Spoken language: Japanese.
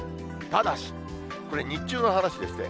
ただし、これ、日中の話ですね。